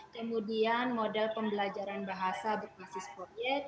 kemudian model pembelajaran bahasa berbasis proyek